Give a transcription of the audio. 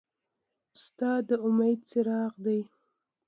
استاد د امید څراغ دی.